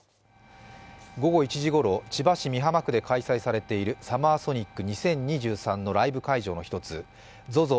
午後１時ごろ、千葉市美浜区で開催されているＳＵＭＭＥＲＳＯＮＩＣ２０２３のライブ会場の１つ、ＺＯＺＯ